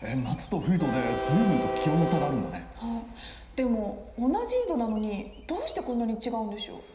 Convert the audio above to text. でも同じ緯度なのにどうしてこんなに違うんでしょう？